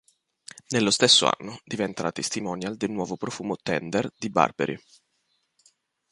Nello stesso anno diventa la testimonial del nuovo profumo "Tender" di Burberry.